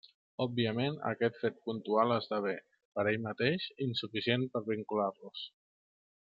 Òbviament aquest fet puntual esdevé, per ell mateix, insuficient per vincular-los.